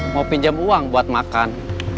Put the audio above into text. mau pinjam uang buat makan